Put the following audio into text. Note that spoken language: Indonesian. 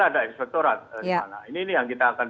ada inspektorat di sana ini yang kita akan